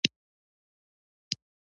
لکه تار چې مخکې له پنبې څخه جوړ شوی وي.